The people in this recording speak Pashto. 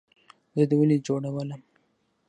زه دې ولۍ جوړولم؟